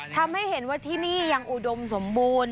ทำให้เห็นว่าที่นี่ยังอุดมสมบูรณ์